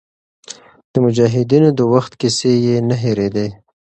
د مجاهدینو د وخت کیسې یې نه هېرېدې.